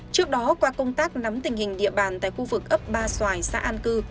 trước đó qua công tác nắm tình hình địa bàn tại khu vực ấp ba xoài xã an cư